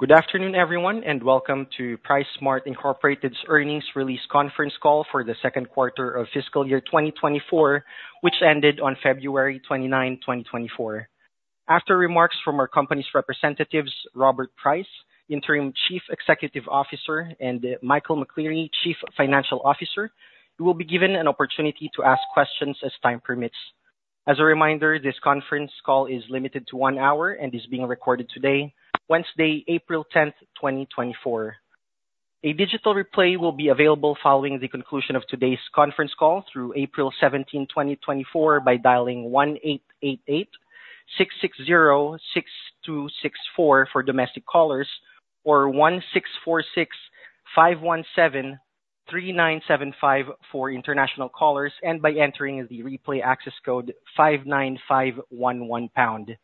Good afternoon, everyone, and welcome to PriceSmart Incorporated's earnings release conference call for the second quarter of fiscal year 2024, which ended on February 29, 2024. After remarks from our company's representatives, Robert Price, Interim Chief Executive Officer, and Michael McCleary, Chief Financial Officer, you will be given an opportunity to ask questions as time permits. As a reminder, this conference call is limited to one hour and is being recorded today, Wednesday, April 10, 2024. A digital replay will be available following the conclusion of today's conference call through April 17, 2024, by dialing 1-888-660-6264 for domestic callers or 1-646-517-3975 for international callers, and by entering the replay access code 59511#.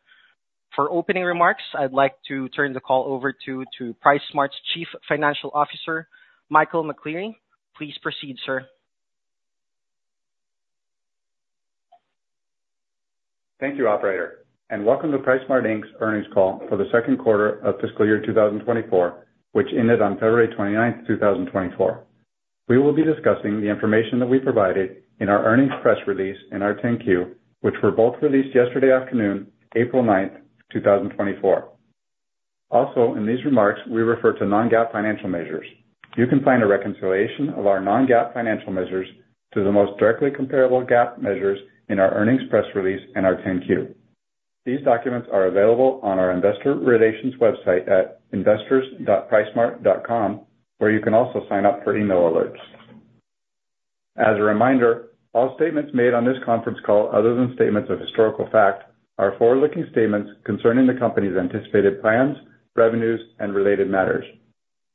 For opening remarks, I'd like to turn the call over to PriceSmart's Chief Financial Officer, Michael McCleary. Please proceed, sir. Thank you, operator, and welcome to PriceSmart, Inc.'s earnings call for the second quarter of fiscal year 2024, which ended on February 29, 2024. We will be discussing the information that we provided in our earnings press release and our 10-Q, which were both released yesterday afternoon, April 9, 2024. Also, in these remarks, we refer to non-GAAP financial measures. You can find a reconciliation of our non-GAAP financial measures to the most directly comparable GAAP measures in our earnings press release and our 10-Q. These documents are available on our investor relations website at investors.pricesmart.com, where you can also sign up for email alerts. As a reminder, all statements made on this conference call other than statements of historical fact are forward-looking statements concerning the company's anticipated plans, revenues, and related matters.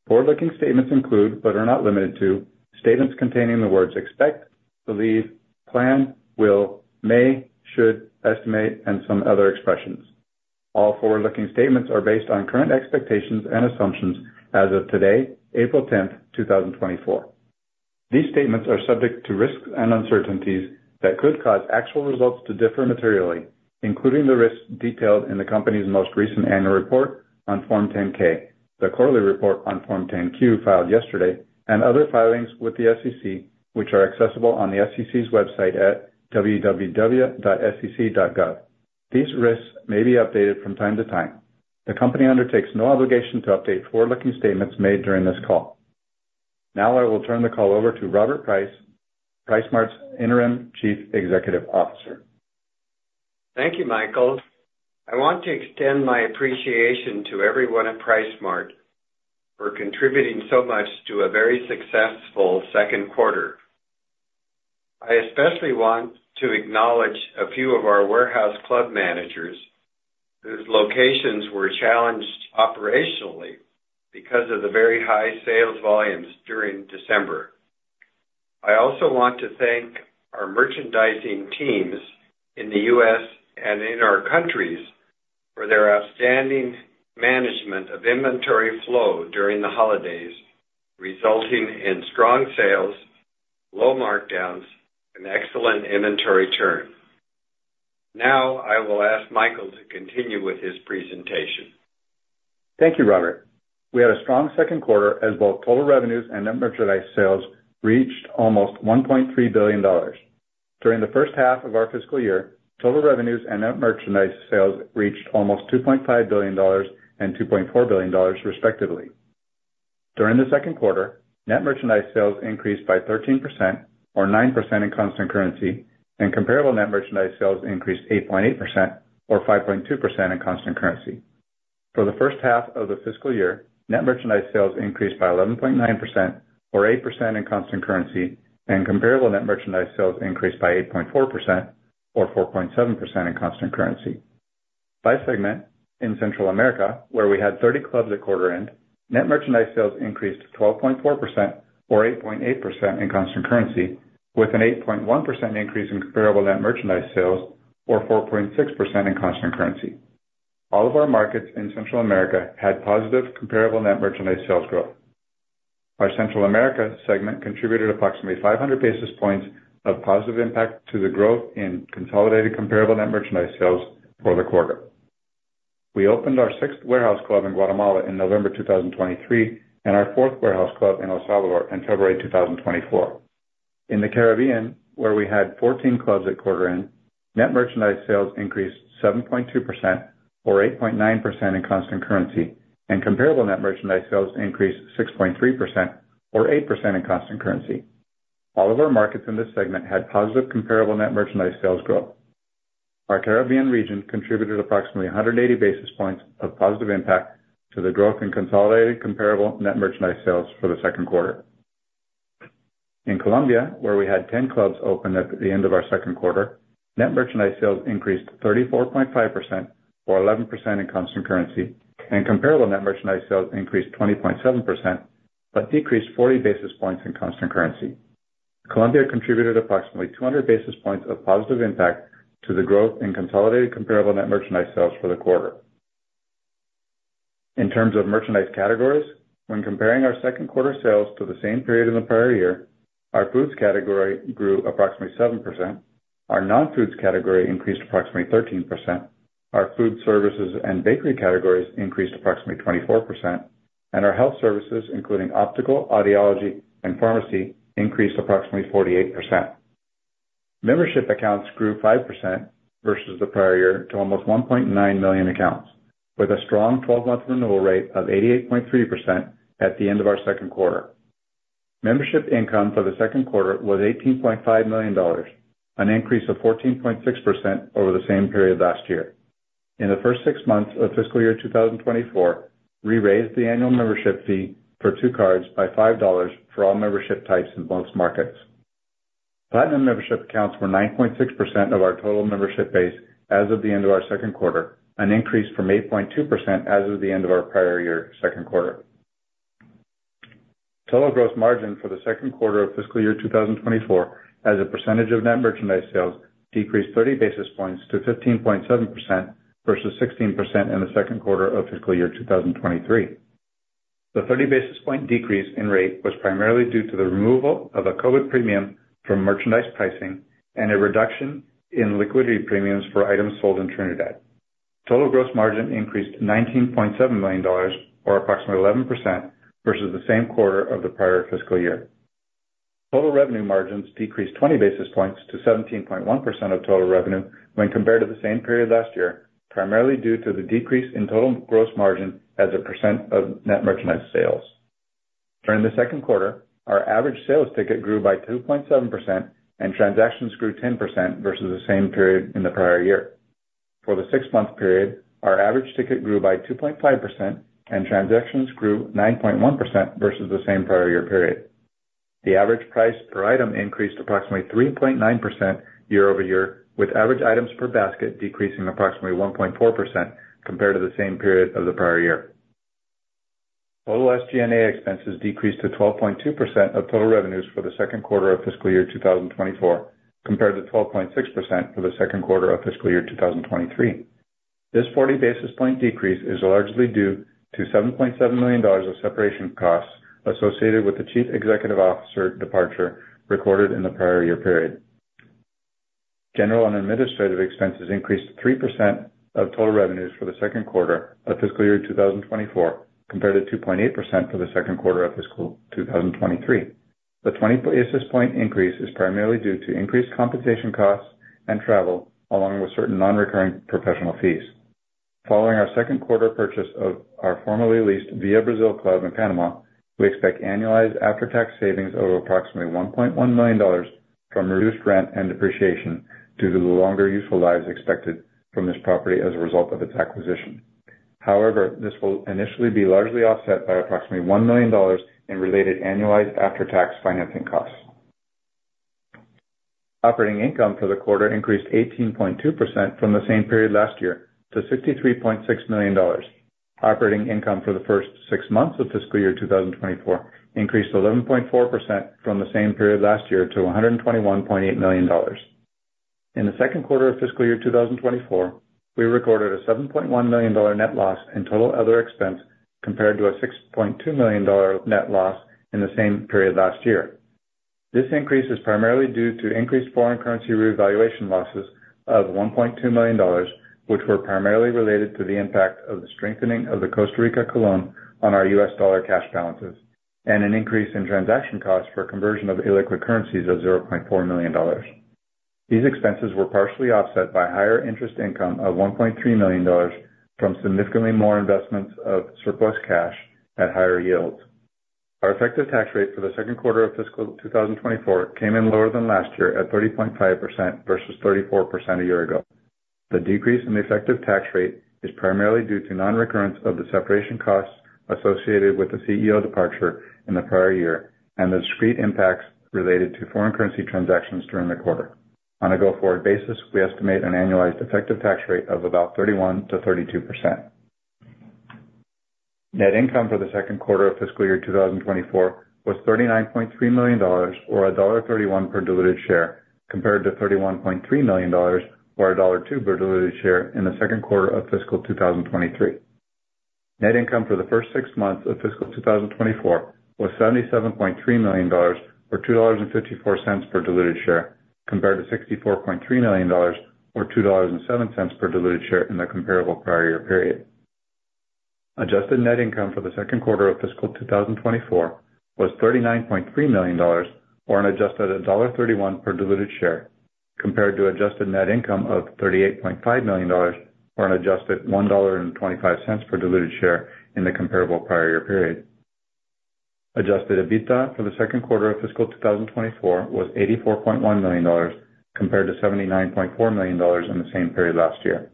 Forward-looking statements include, but are not limited to, statements containing the words expect, believe, plan, will, may, should, estimate, and some other expressions. All forward-looking statements are based on current expectations and assumptions as of today, April 10, 2024. These statements are subject to risks and uncertainties that could cause actual results to differ materially, including the risks detailed in the company's most recent annual report on Form 10-K, the quarterly report on Form 10-Q filed yesterday, and other filings with the SEC, which are accessible on the SEC's website at www.sec.gov. These risks may be updated from time to time. The company undertakes no obligation to update forward-looking statements made during this call. Now I will turn the call over to Robert Price, PriceSmart's Interim Chief Executive Officer. Thank you, Michael. I want to extend my appreciation to everyone at PriceSmart for contributing so much to a very successful second quarter. I especially want to acknowledge a few of our warehouse club managers whose locations were challenged operationally because of the very high sales volumes during December. I also want to thank our merchandising teams in the U.S. and in our countries for their outstanding management of inventory flow during the holidays, resulting in strong sales, low markdowns, and excellent inventory turn. Now I will ask Michael to continue with his presentation. Thank you, Robert. We had a strong second quarter as both total revenues and net merchandise sales reached almost $1.3 billion. During the first half of our fiscal year, total revenues and net merchandise sales reached almost $2.5 billion and $2.4 billion, respectively. During the second quarter, net merchandise sales increased by 13%, or 9% in constant currency, and comparable net merchandise sales increased 8.8%, or 5.2% in constant currency. For the first half of the fiscal year, net merchandise sales increased by 11.9%, or 8% in constant currency, and comparable net merchandise sales increased by 8.4%, or 4.7% in constant currency. By segment, in Central America, where we had 30 clubs at quarter-end, net merchandise sales increased 12.4%, or 8.8% in constant currency, with an 8.1% increase in comparable net merchandise sales, or 4.6% in constant currency. All of our markets in Central America had positive comparable net merchandise sales growth. Our Central America segment contributed approximately 500 basis points of positive impact to the growth in consolidated comparable net merchandise sales for the quarter. We opened our sixth warehouse club in Guatemala in November 2023 and our fourth warehouse club in El Salvador in February 2024. In the Caribbean, where we had 14 clubs at quarter-end, net merchandise sales increased 7.2%, or 8.9% in constant currency, and comparable net merchandise sales increased 6.3%, or 8% in constant currency. All of our markets in this segment had positive comparable net merchandise sales growth. Our Caribbean region contributed approximately 180 basis points of positive impact to the growth in consolidated comparable net merchandise sales for the second quarter. In Colombia, where we had 10 clubs open at the end of our second quarter, net merchandise sales increased 34.5%, or 11% in constant currency, and comparable net merchandise sales increased 20.7% but decreased 40 basis points in constant currency. Colombia contributed approximately 200 basis points of positive impact to the growth in consolidated comparable net merchandise sales for the quarter. In terms of merchandise categories, when comparing our second quarter sales to the same period in the prior year, our foods category grew approximately 7%, our non-foods category increased approximately 13%, our food services and bakery categories increased approximately 24%, and our health services, including optical, audiology, and pharmacy, increased approximately 48%. Membership accounts grew 5% versus the prior year to almost 1.9 million accounts, with a strong 12-month renewal rate of 88.3% at the end of our second quarter. Membership income for the second quarter was $18.5 million, an increase of 14.6% over the same period last year. In the first six months of fiscal year 2024, we raised the annual membership fee for two cards by $5 for all membership types in both markets. Platinum membership accounts were 9.6% of our total membership base as of the end of our second quarter, an increase from 8.2% as of the end of our prior year second quarter. Total gross margin for the second quarter of fiscal year 2024 as a percentage of net merchandise sales decreased 30 basis points to 15.7% versus 16% in the second quarter of fiscal year 2023. The 30 basis point decrease in rate was primarily due to the removal of a COVID premium from merchandise pricing and a reduction in liquidity premiums for items sold in Trinidad. Total gross margin increased $19.7 million, or approximately 11%, versus the same quarter of the prior fiscal year. Total revenue margins decreased 20 basis points to 17.1% of total revenue when compared to the same period last year, primarily due to the decrease in total gross margin as a percent of net merchandise sales. During the second quarter, our average sales ticket grew by 2.7% and transactions grew 10% versus the same period in the prior year. For the six-month period, our average ticket grew by 2.5% and transactions grew 9.1% versus the same prior year period. The average price per item increased approximately 3.9% year-over-year, with average items per basket decreasing approximately 1.4% compared to the same period of the prior year. Total SG&A expenses decreased to 12.2% of total revenues for the second quarter of fiscal year 2024 compared to 12.6% for the second quarter of fiscal year 2023. This 40 basis point decrease is largely due to $7.7 million of separation costs associated with the Chief Executive Officer departure recorded in the prior year period. General and administrative expenses increased 3% of total revenues for the second quarter of fiscal year 2024 compared to 2.8% for the second quarter of fiscal 2023. The 20 basis point increase is primarily due to increased compensation costs and travel, along with certain non-recurring professional fees. Following our second quarter purchase of our formerly leased Via Brasil Club in Panama, we expect annualized after-tax savings of approximately $1.1 million from reduced rent and depreciation due to the longer useful lives expected from this property as a result of its acquisition. However, this will initially be largely offset by approximately $1 million in related annualized after-tax financing costs. Operating income for the quarter increased 18.2% from the same period last year to $63.6 million. Operating income for the first six months of fiscal year 2024 increased 11.4% from the same period last year to $121.8 million. In the second quarter of fiscal year 2024, we recorded a $7.1 million net loss in total other expense compared to a $6.2 million net loss in the same period last year. This increase is primarily due to increased foreign currency revaluation losses of $1.2 million, which were primarily related to the impact of the strengthening of the Costa Rican colón on our U.S. dollar cash balances and an increase in transaction costs for conversion of illiquid currencies of $0.4 million. These expenses were partially offset by higher interest income of $1.3 million from significantly more investments of surplus cash at higher yields. Our effective tax rate for the second quarter of fiscal 2024 came in lower than last year at 30.5% versus 34% a year ago. The decrease in the effective tax rate is primarily due to non-recurrence of the separation costs associated with the CEO departure in the prior year and the discrete impacts related to foreign currency transactions during the quarter. On a go-forward basis, we estimate an annualized effective tax rate of about 31%-32%. Net income for the second quarter of fiscal year 2024 was $39.3 million, or $1.31 per diluted share, compared to $31.3 million, or $1.02 per diluted share in the second quarter of fiscal 2023. Net income for the first six months of fiscal 2024 was $77.3 million, or $2.54 per diluted share, compared to $64.3 million, or $2.07 per diluted share in the comparable prior year period. Adjusted net income for the second quarter of fiscal 2024 was $39.3 million, or an adjusted $1.31 per diluted share, compared to adjusted net income of $38.5 million, or an adjusted $1.25 per diluted share in the comparable prior year period. Adjusted EBITDA for the second quarter of fiscal 2024 was $84.1 million, compared to $79.4 million in the same period last year.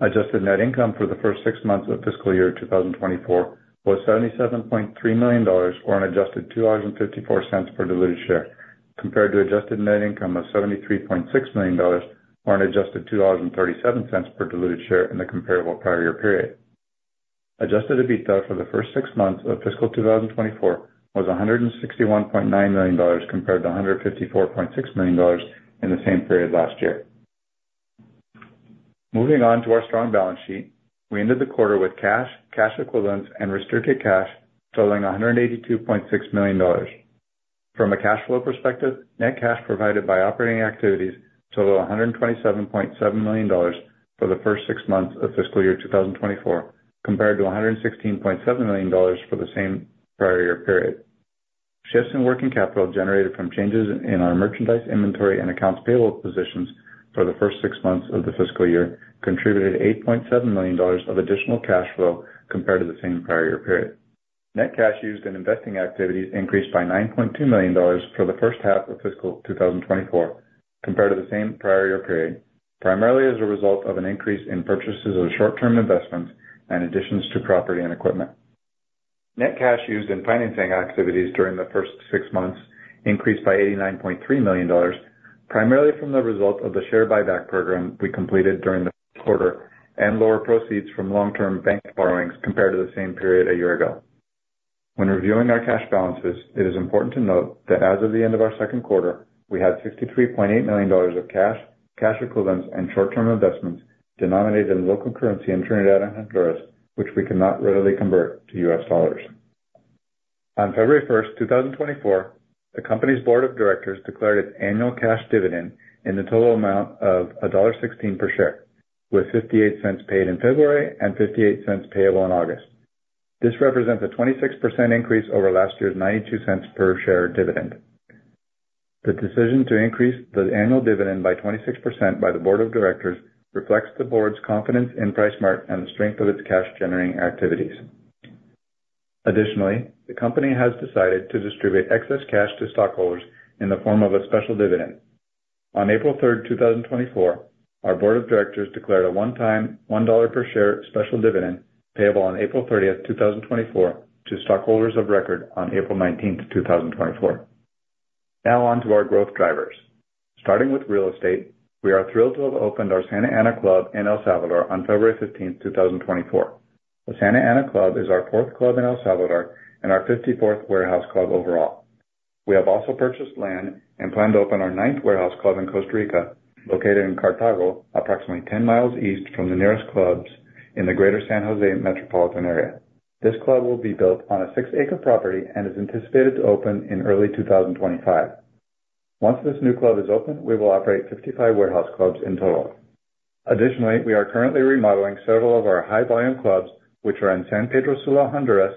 Adjusted net income for the first six months of fiscal year 2024 was $77.3 million, or an adjusted $2.54 per diluted share, compared to adjusted net income of $73.6 million, or an adjusted $2.37 per diluted share in the comparable prior year period. Adjusted EBITDA for the first six months of fiscal 2024 was $161.9 million, compared to $154.6 million in the same period last year. Moving on to our strong balance sheet, we ended the quarter with cash, cash equivalents, and restricted cash totaling $182.6 million. From a cash flow perspective, net cash provided by operating activities totaled $127.7 million for the first six months of fiscal year 2024, compared to $116.7 million for the same prior year period. Shifts in working capital generated from changes in our merchandise inventory and accounts payable positions for the first six months of the fiscal year contributed $8.7 million of additional cash flow compared to the same prior year period. Net cash used in investing activities increased by $9.2 million for the first half of fiscal 2024, compared to the same prior year period, primarily as a result of an increase in purchases of short-term investments and additions to property and equipment. Net cash used in financing activities during the first six months increased by $89.3 million, primarily from the result of the share buyback program we completed during the quarter and lower proceeds from long-term bank borrowings compared to the same period a year ago. When reviewing our cash balances, it is important to note that as of the end of our second quarter, we had $63.8 million of cash, cash equivalents, and short-term investments denominated in local currency in Trinidad and Honduras, which we could not readily convert to U.S. dollars. On February 1st, 2024, the company's board of directors declared its annual cash dividend in the total amount of $1.16 per share, with $0.58 paid in February and $0.58 payable in August. This represents a 26% increase over last year's $0.92 per share dividend. The decision to increase the annual dividend by 26% by the board of directors reflects the board's confidence in PriceSmart and the strength of its cash-generating activities. Additionally, the company has decided to distribute excess cash to stockholders in the form of a special dividend. On April 3rd, 2024, our board of directors declared a one-time, $1 per share special dividend payable on April 30th, 2024, to stockholders of record on April 19th, 2024. Now on to our growth drivers. Starting with real estate, we are thrilled to have opened our Santa Ana Club in El Salvador on February 15th, 2024. The Santa Ana Club is our fourth club in El Salvador and our 54th warehouse club overall. We have also purchased land and plan to open our ninth warehouse club in Costa Rica, located in Cartago, approximately 10 miles east from the nearest clubs in the greater San Jose metropolitan area. This club will be built on a six-acre property and is anticipated to open in early 2025. Once this new club is open, we will operate 55 warehouse clubs in total. Additionally, we are currently remodeling several of our high-volume clubs, which are in San Pedro Sula, Honduras,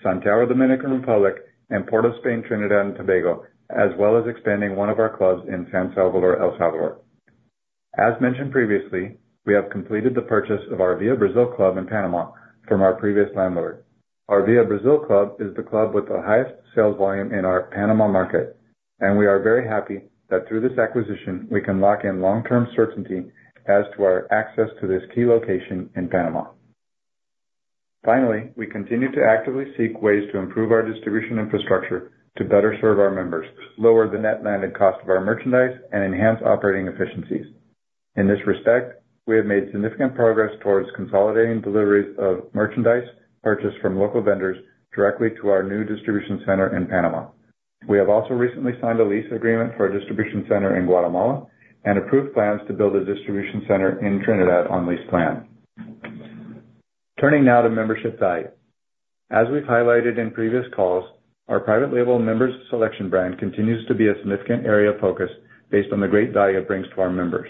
Santiago, Dominican Republic, and Port of Spain, Trinidad and Tobago, as well as expanding one of our clubs in San Salvador, El Salvador. As mentioned previously, we have completed the purchase of our Via Brasil Club in Panama from our previous landlord. Our Via Brasil Club is the club with the highest sales volume in our Panama market, and we are very happy that through this acquisition, we can lock in long-term certainty as to our access to this key location in Panama. Finally, we continue to actively seek ways to improve our distribution infrastructure to better serve our members, lower the net landed cost of our merchandise, and enhance operating efficiencies. In this respect, we have made significant progress towards consolidating deliveries of merchandise purchased from local vendors directly to our new distribution center in Panama. We have also recently signed a lease agreement for a distribution center in Guatemala and approved plans to build a distribution center in Trinidad on leased land. Turning now to membership value. As we've highlighted in previous calls, our private label Member's Selection brand continues to be a significant area of focus based on the great value it brings to our members.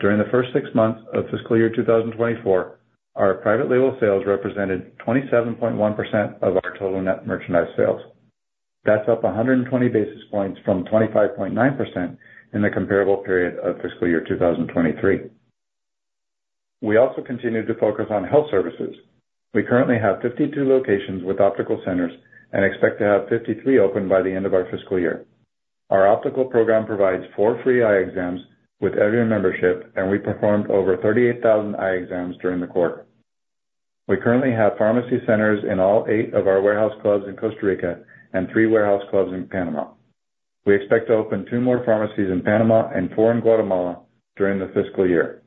During the first six months of fiscal year 2024, our private label sales represented 27.1% of our total net merchandise sales. That's up 120 basis points from 25.9% in the comparable period of fiscal year 2023. We also continue to focus on health services. We currently have 52 locations with optical centers and expect to have 53 open by the end of our fiscal year. Our optical program provides four free eye exams with every membership, and we performed over 38,000 eye exams during the quarter. We currently have pharmacy centers in all eight of our warehouse clubs in Costa Rica and three warehouse clubs in Panama. We expect to open 2 more pharmacies in Panama and 4 in Guatemala during the fiscal year.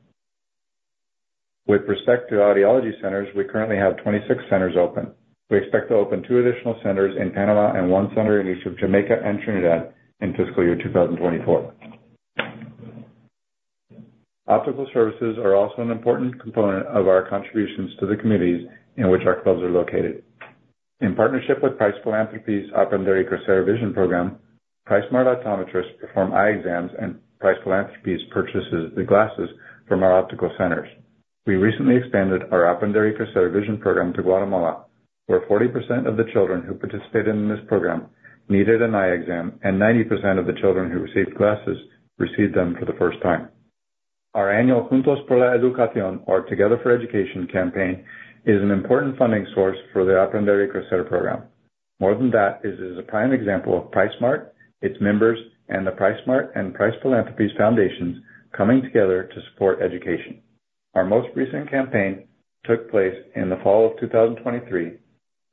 With respect to audiology centers, we currently have 26 centers open. We expect to open 2 additional centers in Panama and 1 center in each of Jamaica and Trinidad in fiscal year 2024. Optical services are also an important component of our contributions to the communities in which our clubs are located. In partnership with Price Philanthropies' Aprender y Crecer Vision Program, PriceSmart optometrists perform eye exams, and Price Philanthropies purchases the glasses from our optical centers. We recently expanded our Aprender y Crecer Vision Program to Guatemala, where 40% of the children who participated in this program needed an eye exam, and 90% of the children who received glasses received them for the first time. Our annual Juntos por la Educación, or Together for Education, campaign is an important funding source for the Aprender y Crecer Vision Program. More than that, it is a prime example of PriceSmart, its members, and the PriceSmart Foundation and Price Philanthropies Foundation coming together to support education. Our most recent campaign took place in the fall of 2023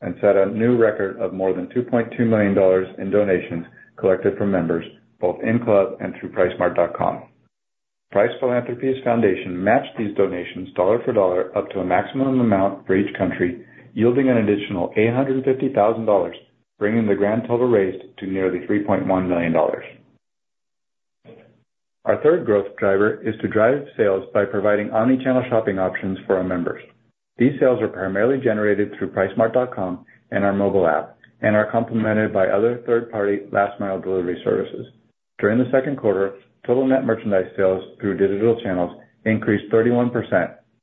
and set a new record of more than $2.2 million in donations collected from members, both in club and through pricesmart.com. Price Philanthropies Foundation matched these donations dollar for dollar up to a maximum amount for each country, yielding an additional $850,000, bringing the grand total raised to nearly $3.1 million. Our third growth driver is to drive sales by providing omnichannel shopping options for our members. These sales are primarily generated through pricesmart.com and our mobile app, and are complemented by other third-party last-mile delivery services. During the second quarter, total net merchandise sales through digital channels increased 31%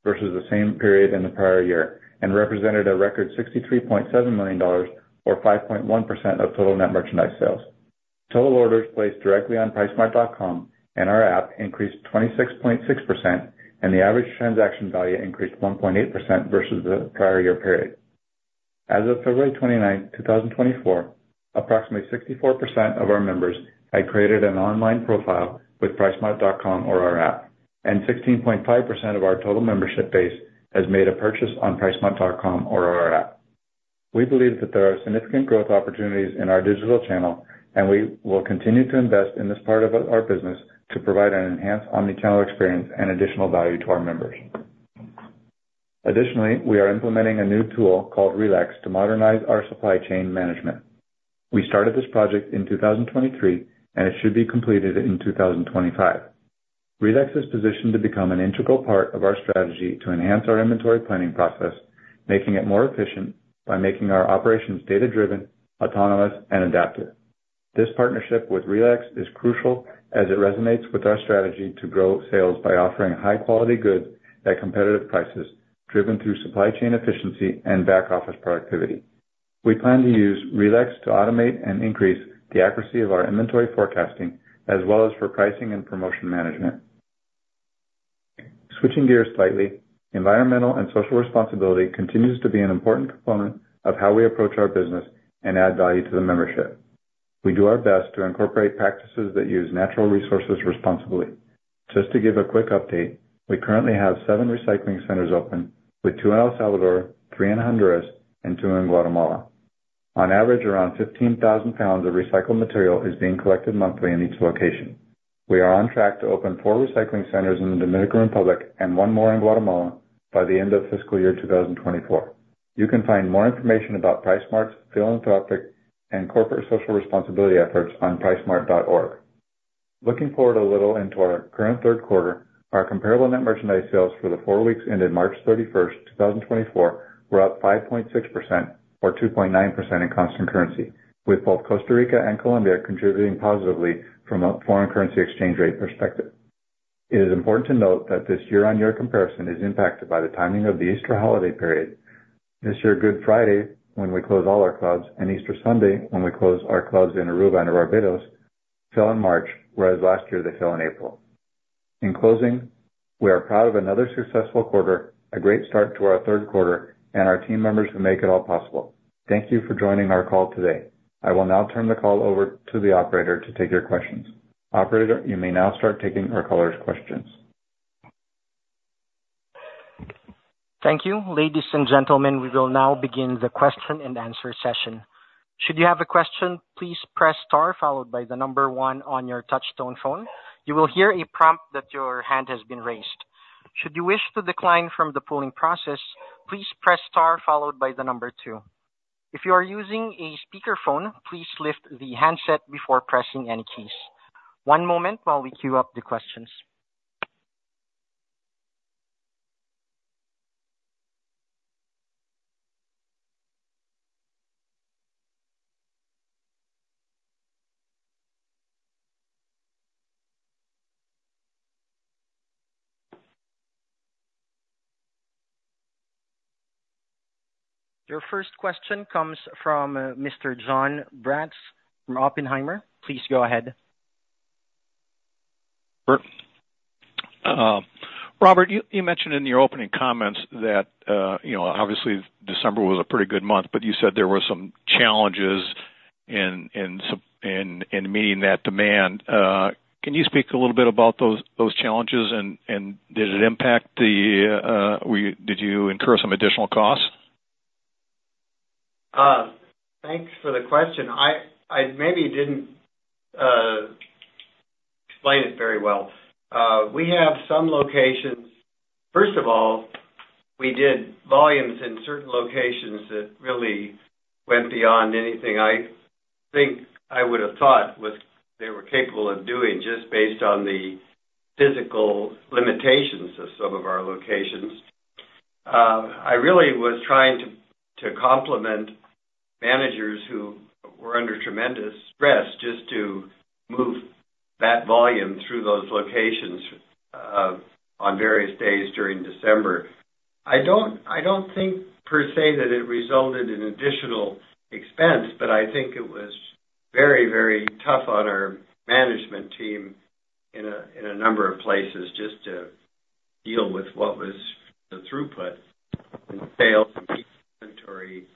versus the same period in the prior year and represented a record $63.7 million, or 5.1% of total net merchandise sales. Total orders placed directly on pricesmart.com and our app increased 26.6%, and the average transaction value increased 1.8% versus the prior year period. As of February 29th, 2024, approximately 64% of our members had created an online profile with pricesmart.com or our app, and 16.5% of our total membership base has made a purchase on pricesmart.com or our app. We believe that there are significant growth opportunities in our digital channel, and we will continue to invest in this part of our business to provide an enhanced omnichannel experience and additional value to our members. Additionally, we are implementing a new tool called RELEX to modernize our supply chain management. We started this project in 2023, and it should be completed in 2025. RELEX is positioned to become an integral part of our strategy to enhance our inventory planning process, making it more efficient by making our operations data-driven, autonomous, and adaptive. This partnership with RELEX is crucial as it resonates with our strategy to grow sales by offering high-quality goods at competitive prices driven through supply chain efficiency and back-office productivity. We plan to use RELEX to automate and increase the accuracy of our inventory forecasting as well as for pricing and promotion management. Switching gears slightly, environmental and social responsibility continues to be an important component of how we approach our business and add value to the membership. We do our best to incorporate practices that use natural resources responsibly. Just to give a quick update, we currently have seven recycling centers open, with two in El Salvador, three in Honduras, and two in Guatemala. On average, around 15,000 pounds of recycled material is being collected monthly in each location. We are on track to open four recycling centers in the Dominican Republic and one more in Guatemala by the end of fiscal year 2024. You can find more information about PriceSmart's philanthropic and corporate social responsibility efforts on pricesmart.org. Looking forward a little into our current third quarter, our comparable net merchandise sales for the four weeks ended March 31st, 2024, were up 5.6%, or 2.9% in constant currency, with both Costa Rica and Colombia contributing positively from a foreign currency exchange rate perspective. It is important to note that this year-on-year comparison is impacted by the timing of the Easter holiday period. This year, Good Friday, when we close all our clubs, and Easter Sunday, when we close our clubs in Aruba and Barbados, fell in March, whereas last year they fell in April. In closing, we are proud of another successful quarter, a great start to our third quarter, and our team members who make it all possible. Thank you for joining our call today. I will now turn the call over to the operator to take your questions. Operator, you may now start taking our callers' questions. Thank you. Ladies and gentlemen, we will now begin the question-and-answer session. Should you have a question, please press star followed by 1 on your touch-tone phone. You will hear a prompt that your hand has been raised. Should you wish to decline from the polling process, please press star followed by 2. If you are using a speakerphone, please lift the handset before pressing any keys. One moment while we queue up the questions. Your first question comes from Mr. Jon Braatz from Oppenheimer. Please go ahead. Sure. Robert, you mentioned in your opening comments that, you know, obviously December was a pretty good month, but you said there were some challenges in meeting that demand. Can you speak a little bit about those challenges, and did it impact the? Did you incur some additional costs? Thanks for the question. I, I maybe didn't explain it very well. We have some locations. First of all, we did volumes in certain locations that really went beyond anything I think I would have thought they were capable of doing just based on the physical limitations of some of our locations. I really was trying to, to complement managers who were under tremendous stress just to move that volume through those locations on various days during December. I don't, I don't think per se that it resulted in additional expense, but I think it was very, very tough on our management team in a, in a number of places just to deal with what was the throughput in sales and inventory, you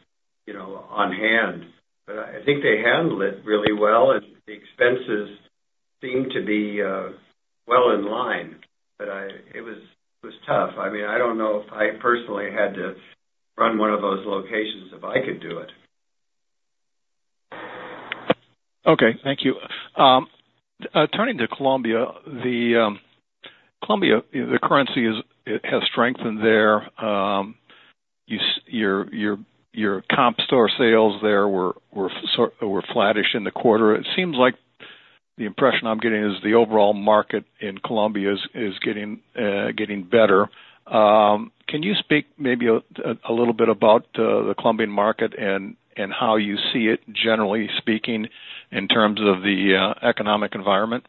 know, on hand. But I, I think they handled it really well, and the expenses seemed to be well in line. But it was tough. I mean, I don't know if I personally had to run one of those locations if I could do it. Okay. Thank you. Turning to Colombia, the currency has strengthened there. Your comp store sales there were flat-ish in the quarter. It seems like the impression I'm getting is the overall market in Colombia is getting better. Can you speak maybe a little bit about the Colombian market and how you see it, generally speaking, in terms of the economic environment?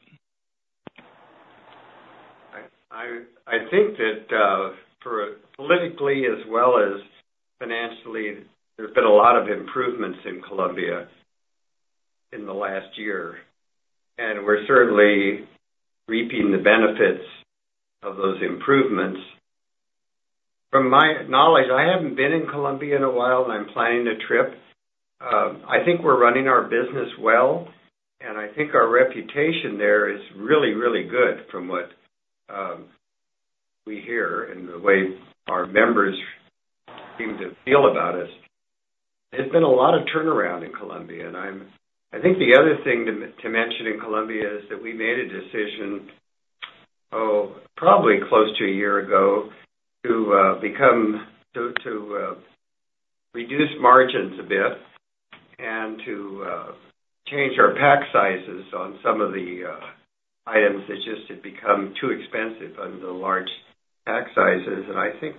I think that, for politically as well as financially, there's been a lot of improvements in Colombia in the last year, and we're certainly reaping the benefits of those improvements. From my knowledge, I haven't been in Colombia in a while, and I'm planning a trip. I think we're running our business well, and I think our reputation there is really, really good from what we hear and the way our members seem to feel about us. There's been a lot of turnaround in Colombia, and I think the other thing to mention in Colombia is that we made a decision, oh, probably close to a year ago, to reduce margins a bit and to change our pack sizes on some of the items. It just had become too expensive under the large pack sizes, and I think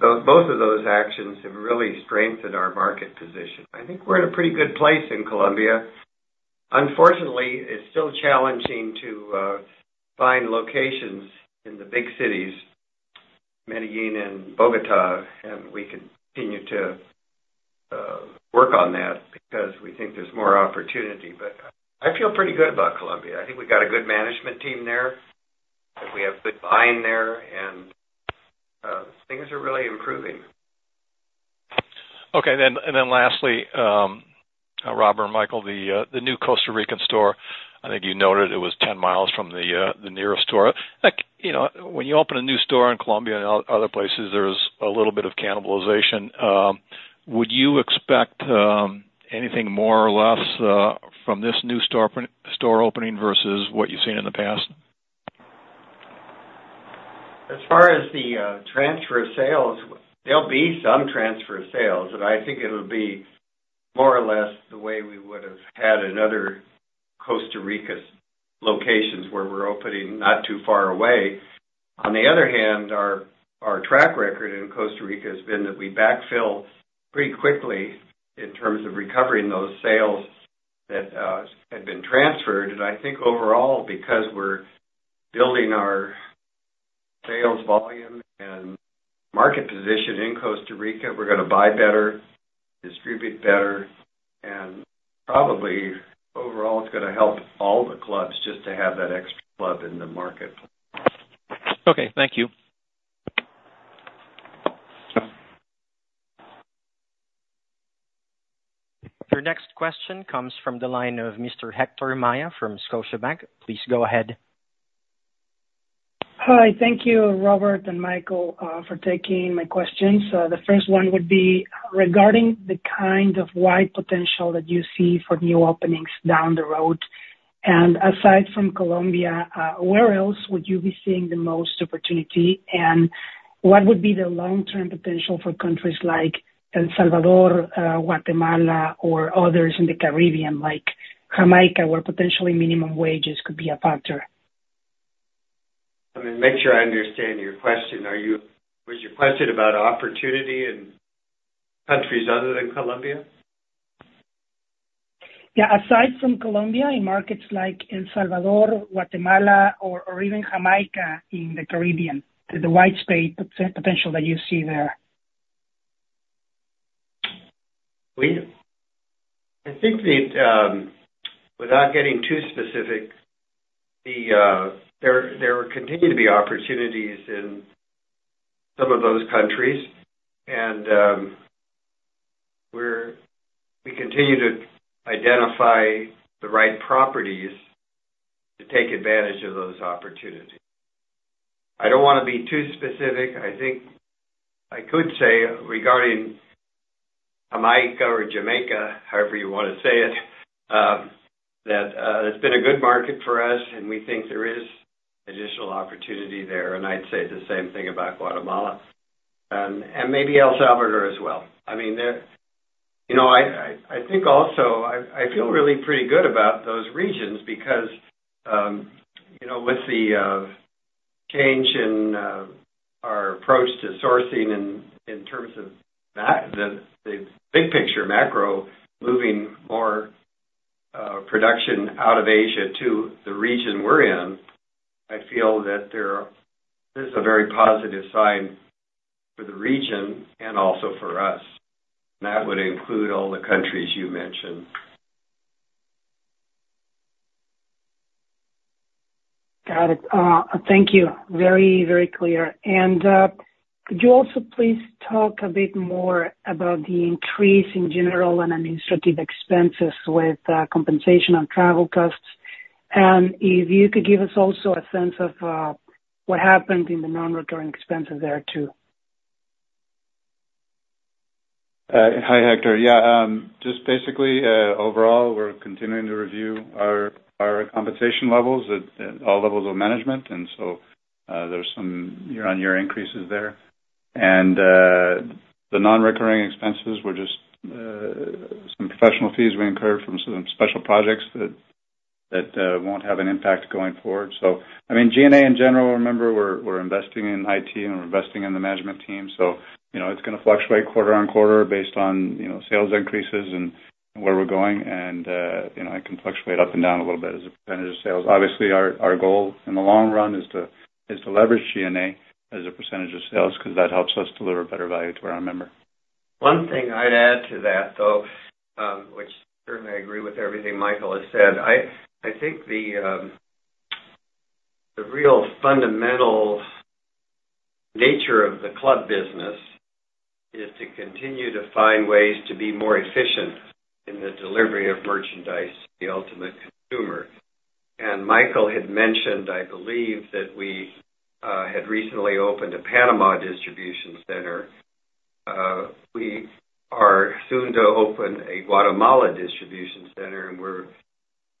both of those actions have really strengthened our market position. I think we're in a pretty good place in Colombia. Unfortunately, it's still challenging to find locations in the big cities, Medellín and Bogotá, and we continue to work on that because we think there's more opportunity. But I feel pretty good about Colombia. I think we got a good management team there, that we have good buying there, and things are really improving. Okay. Then, and then lastly, Robert and Michael, the new Costa Rican store, I think you noted it was 10 miles from the nearest store. Like, you know, when you open a new store in Colombia and other places, there's a little bit of cannibalization. Would you expect anything more or less from this new store opening versus what you've seen in the past? As far as the transfer of sales, there'll be some transfer of sales, and I think it'll be more or less the way we would have had in other Costa Rica's locations where we're opening not too far away. On the other hand, our track record in Costa Rica has been that we backfill pretty quickly in terms of recovering those sales that had been transferred. And I think overall, because we're building our sales volume and market position in Costa Rica, we're gonna buy better, distribute better, and probably overall, it's gonna help all the clubs just to have that extra club in the marketplace. Okay. Thank you. Your next question comes from the line of Mr. Héctor Maya from Scotiabank. Please go ahead. Hi. Thank you, Robert and Michael, for taking my questions. The first one would be regarding the kind of wide potential that you see for new openings down the road. Aside from Colombia, where else would you be seeing the most opportunity, and what would be the long-term potential for countries like El Salvador, Guatemala, or others in the Caribbean, like Jamaica, where potentially minimum wages could be a factor? I mean, make sure I understand your question. Was your question about opportunity in countries other than Colombia? Yeah. Aside from Colombia, in markets like El Salvador, Guatemala, or even Jamaica in the Caribbean, the wide space potential that you see there? I think, without getting too specific, there continue to be opportunities in some of those countries, and we continue to identify the right properties to take advantage of those opportunities. I don't wanna be too specific. I think I could say regarding Jamaica or Jamaica, however you wanna say it, that it's been a good market for us, and we think there is additional opportunity there. I'd say the same thing about Guatemala and maybe El Salvador as well. I mean, there you know, I think also I feel really pretty good about those regions because, you know, with the change in our approach to sourcing in terms of the big picture, macro, moving more production out of Asia to the region we're in, I feel that there is a very positive sign for the region and also for us. And that would include all the countries you mentioned. Got it. Thank you. Very, very clear. And, could you also please talk a bit more about the increase in general and administrative expenses with compensation of travel costs? And if you could give us also a sense of what happened in the non-recurring expenses there too. Hi, Héctor. Yeah. Just basically, overall, we're continuing to review our, our compensation levels at, at all levels of management, and so, there's some year-over-year increases there. And, the non-recurring expenses were just, some professional fees we incurred from some special projects that, that, won't have an impact going forward. So, I mean, SG&A in general, remember, we're, we're investing in IT, and we're investing in the management team. So, you know, it's gonna fluctuate quarter-over-quarter based on, you know, sales increases and, and where we're going. And, you know, it can fluctuate up and down a little bit as a percentage of sales. Obviously, our, our goal in the long run is to is to leverage SG&A as a percentage of sales 'cause that helps us deliver better value to our member. One thing I'd add to that, though, which certainly I agree with everything Michael has said, I think the real fundamental nature of the club business is to continue to find ways to be more efficient in the delivery of merchandise to the ultimate consumer. Michael had mentioned, I believe, that we had recently opened a Panama distribution center. We are soon to open a Guatemala distribution center, and we're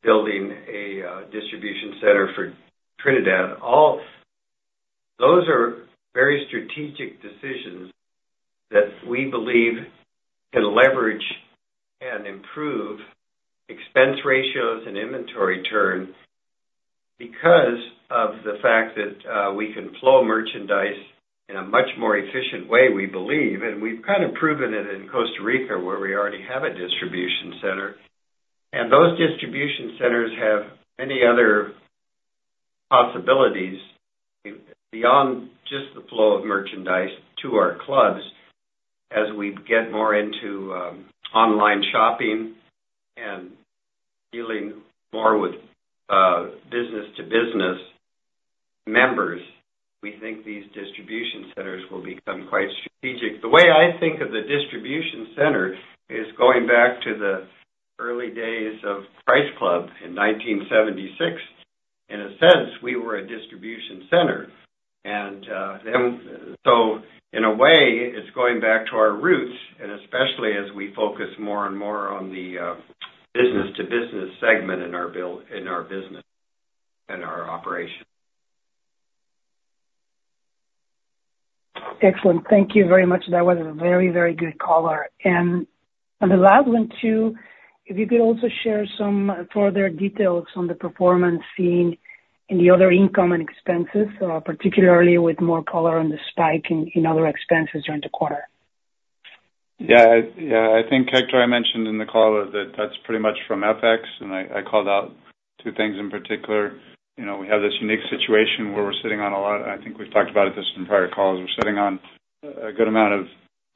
building a distribution center for Trinidad. All those are very strategic decisions that we believe can leverage and improve expense ratios and inventory turn because of the fact that we can flow merchandise in a much more efficient way, we believe. And we've kinda proven it in Costa Rica where we already have a distribution center. And those distribution centers have many other possibilities beyond just the flow of merchandise to our clubs. As we get more into online shopping and dealing more with business-to-business members, we think these distribution centers will become quite strategic. The way I think of the distribution center is going back to the early days of Price Club in 1976. In a sense, we were a distribution center. Then so in a way, it's going back to our roots, and especially as we focus more and more on the business-to-business segment in our B2B in our business and our operation. Excellent. Thank you very much. That was a very, very good caller. And the last one too, if you could also share some further details on the performance seen in the other income and expenses, particularly with more color on the spike in other expenses during the quarter. Yeah. I think Héctor, I mentioned in the call that that's pretty much from FX, and I called out two things in particular. You know, we have this unique situation where we're sitting on a lot I think we've talked about this in prior calls. We're sitting on a good amount of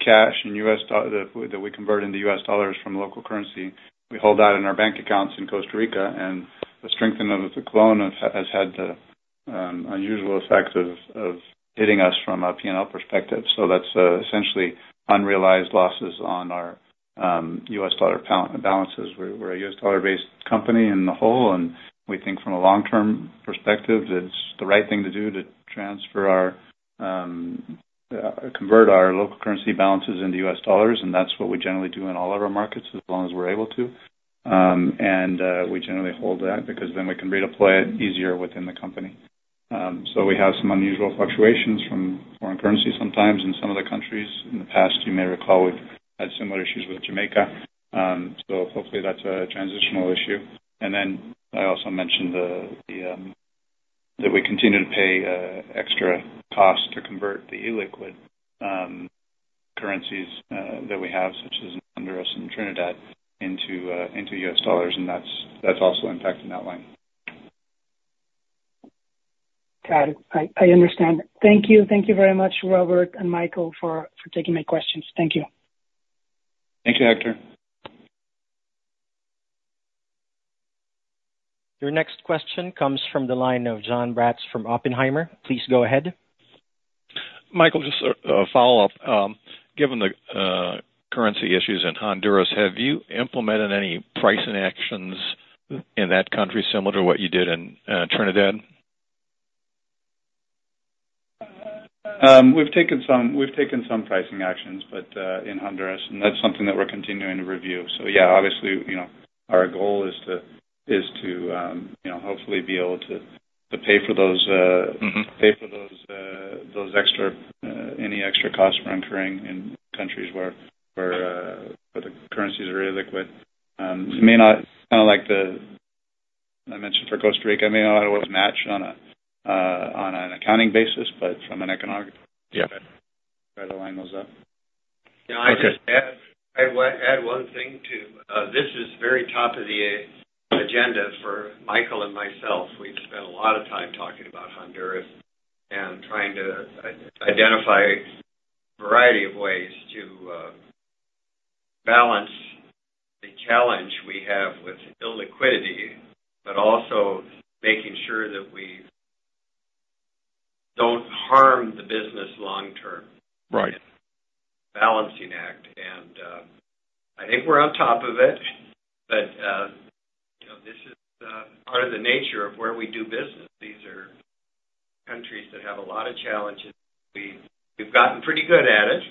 cash in U.S. dollar that we convert into U.S. dollars from local currency. We hold that in our bank accounts in Costa Rica, and the strengthening of the colón has had unusual effects of hitting us from a P&L perspective. So that's essentially unrealized losses on our U.S. dollar balances. We're a U.S. dollar-based company in the whole, and we think from a long-term perspective, it's the right thing to do to transfer our convert our local currency balances into U.S. dollars. That's what we generally do in all of our markets as long as we're able to. We generally hold that because then we can redeploy it easier within the company. So we have some unusual fluctuations from foreign currency sometimes in some of the countries. In the past, you may recall, we've had similar issues with Jamaica. So hopefully, that's a transitional issue. And then I also mentioned that we continue to pay extra cost to convert the illiquid currencies that we have, such as Honduras and Trinidad, into U.S. dollars. And that's also impacting that line. Got it. I understand. Thank you. Thank you very much, Robert and Michael, for taking my questions. Thank you. Thank you, Héctor. Your next question comes from the line of Jon Braatz from Oppenheimer. Please go ahead. Michael, just a follow-up. Given the currency issues in Honduras, have you implemented any pricing actions in that country similar to what you did in Trinidad? We've taken some pricing actions, but in Honduras, and that's something that we're continuing to review. So yeah, obviously, you know, our goal is to, you know, hopefully be able to pay for those. Mm-hmm. Pay for those extra, any extra costs for incurring in countries where the currencies are illiquid. It may not kinda like the one I mentioned for Costa Rica, it may not always match on an accounting basis, but from an economic. Yeah. Try to line those up. Yeah. I'd just add one thing too. This is very top of the agenda for Michael and myself. We've spent a lot of time talking about Honduras and trying to identify a variety of ways to balance the challenge we have with illiquidity, but also making sure that we don't harm the business long term. Right. And balancing act. And, I think we're on top of it, but, you know, this is part of the nature of where we do business. These are countries that have a lot of challenges. We, we've gotten pretty good at it,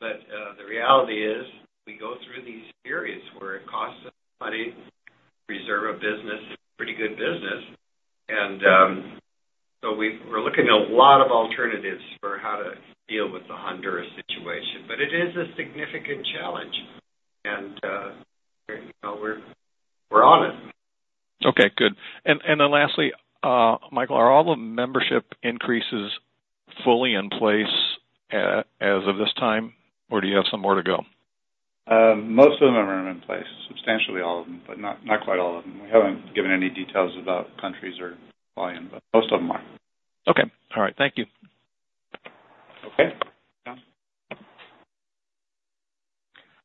but the reality is we go through these periods where it costs us money to preserve a business. It's pretty good business. And, so we've, we're looking at a lot of alternatives for how to deal with the Honduras situation. But it is a significant challenge, and, you know, we're, we're on it. Okay. Good. And then lastly, Michael, are all the membership increases fully in place as of this time, or do you have some more to go? Most of them are in place, substantially all of them, but not, not quite all of them. We haven't given any details about countries or volume, but most of them are. Okay. All right. Thank you. Okay. Yeah.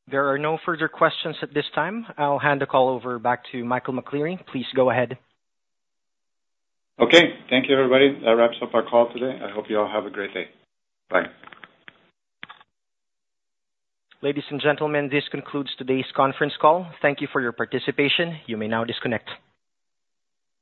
There are no further questions at this time. I'll hand the call over back to Michael McCleary. Please go ahead. Okay. Thank you, everybody. That wraps up our call today. I hope you all have a great day. Bye. Ladies and gentlemen, this concludes today's conference call. Thank you for your participation. You may now disconnect.